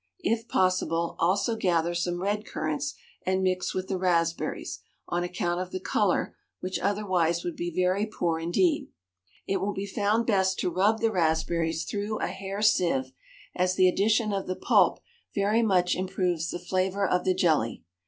If possible, also gather some red currants and mix with the raspberries, on account of the colour, which otherwise would be very poor indeed. It will be found best to rub the raspberries through a hair sieve, as the addition of the pulp very much improves the flavour of the jelly.